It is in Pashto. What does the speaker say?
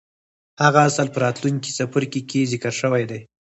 هغه اصل په راتلونکي څپرکي کې ذکر شوی دی.